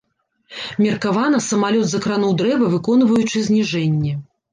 Меркавана, самалёт закрануў дрэва, выконваючы зніжэнне.